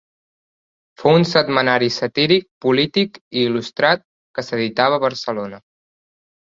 Fou un setmanari satíric, polític i il·lustrat que s'editava a Barcelona.